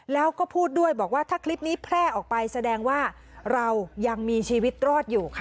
แล้วก็พูดด้วยบอกว่าถ้าคลิปนี้แพร่ออกไปแสดงว่าเรายังมีชีวิตรอดอยู่ค่ะ